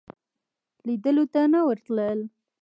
لیدلو ته نه ورتلل.